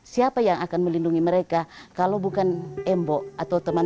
siapa yang akan melindungi mereka kalau bukan embo atau teman teman kader yang lain